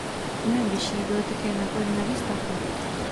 Mnohem vyšší byly také náklady na výstavbu.